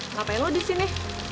ngapain lu disini